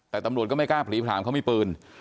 แต่ตำรวจก็ไม่กล้าผลีประหารก็ไม่ปืน